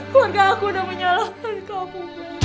keluarga aku udah menyalahkan kauku